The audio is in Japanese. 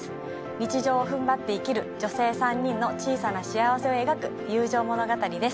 日常をふんばって生きる女性３人の小さな幸せを描く友情物語です